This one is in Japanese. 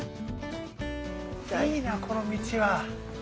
いいなこの道は。